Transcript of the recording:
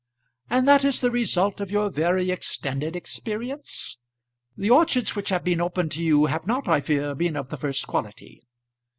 "And that is the result of your very extended experience? The orchards which have been opened to you have not, I fear, been of the first quality.